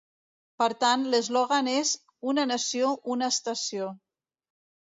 Per tant, l'eslògan és "Una Nació, Una Estació".